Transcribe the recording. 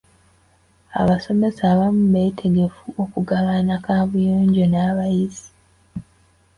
Abasomesa abamu beetegefu okugabana kaabuyonjo n'abayizi.